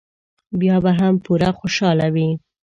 بیا به هم پوره خوشاله وي.